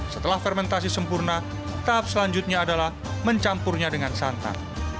setelah fermentasi sempurna tahap selanjutnya adalah mencampurnya dengan santan